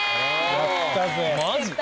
やったぜ。